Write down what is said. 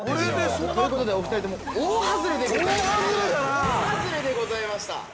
◆ということで、お二人とも大外れでございました。